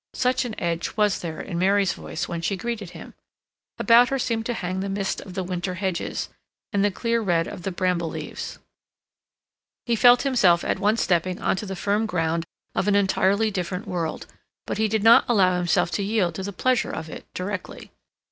Such an edge was there in Mary's voice when she greeted him. About her seemed to hang the mist of the winter hedges, and the clear red of the bramble leaves. He felt himself at once stepping on to the firm ground of an entirely different world, but he did not allow himself to yield to the pleasure of it directly.